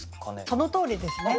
そのとおりですね。